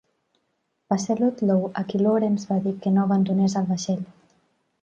Va ser a Ludlow a qui Lawrence va dir que no abandonés el vaixell.